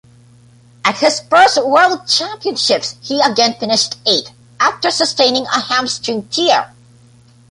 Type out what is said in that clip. At his first World Championships he again finished eighth, after sustaining a hamstring tear.